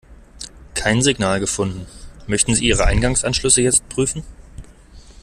Kein Signal gefunden. Möchten Sie ihre Eingangsanschlüsse jetzt prüfen?